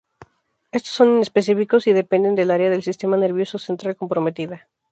Estos son inespecíficos y dependen del área del sistema nervioso central comprometida.